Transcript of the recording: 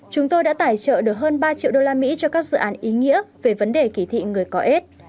chúng tôi đã tài trợ được hơn ba triệu đô la mỹ cho các dự án ý nghĩa về vấn đề kỳ thị người có aids